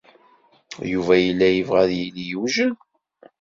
Yuba yella yebɣa ad yili yewjed.